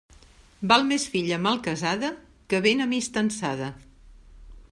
Val més filla malcasada que ben amistançada.